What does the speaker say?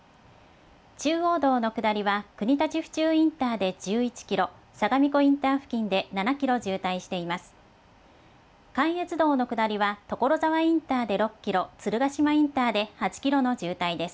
中央道の下りは国立府中インターで１１キロ、相模湖インター付近で７キロ渋滞しています。